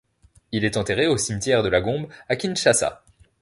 Il est enterré aux cimetières de la Gombe à Kinshasa.